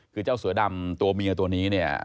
คือเจ้าเสือดำตัวเมียตัวนี้เนี่ย